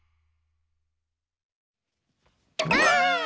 ばあっ！